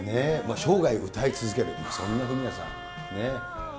生涯歌い続ける、そんなフミヤさん。